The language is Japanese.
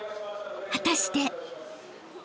［果たして］